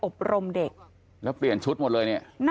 อบรมเด็กแล้วเปลี่ยนชุดหมดเลยเนี่ย